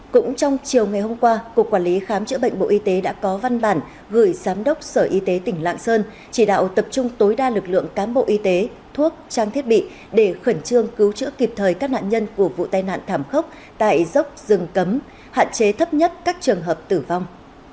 cũng trong chiều ngày hôm qua cục quản lý khám chữa bệnh bộ y tế đã có văn bản gửi giám đốc sở y tế tỉnh lạng sơn chỉ đạo tập trung tối đa lực lượng cám bộ y tế thuốc trang thiết bị để khẩn trương cứu chữa kịp thời các nạn nhân của vụ tai nạn thảm khốc tại dốc rừng cấm hạn chế thấp nhất các trường hợp tử vong